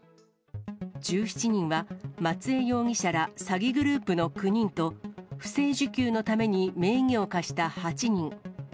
１７人は松江容疑者ら、詐欺グループの９人と、不正受給のために名義を貸した８人。